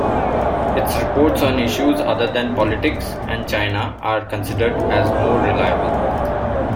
Its reports on issues other than politics and China are considered as more reliable.